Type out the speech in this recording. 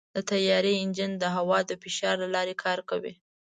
د طیارې انجن د هوا د فشار له لارې کار کوي.